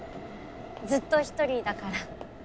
ずっと一人だから。